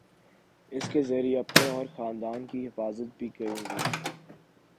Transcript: اس کے ذریعے اپنے اور خاندان کی حفاظت بھی کروں گی